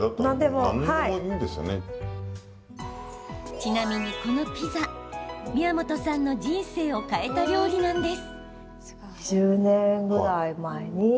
ちなみに、このピザ宮本さんの人生を変えた料理なんです。